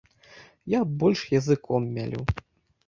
Я больш языком мялю.